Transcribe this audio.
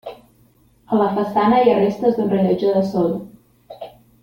A la façana hi ha restes d'un rellotge de sol.